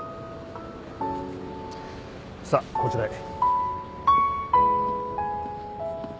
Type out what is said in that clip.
さあこちらへ。